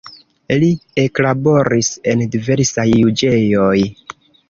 Li eklaboris en diversaj juĝejoj.